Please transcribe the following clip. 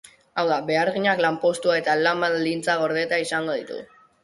Hau da, beharginak lanpostua eta lan-baldintzak gordeta izango ditu.